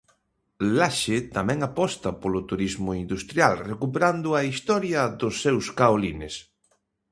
Laxe tamén aposta polo turismo industrial recuperando a historia dos seus kaolines.